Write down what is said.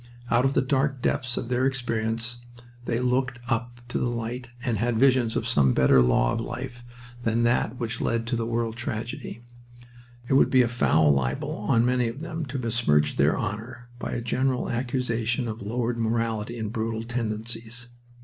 Out of the dark depths of their experience they looked up to the light, and had visions of some better law of life than that which led to the world tragedy. It would be a foul libel on many of them to besmirch their honor by a general accusation of lowered morality and brutal tendencies.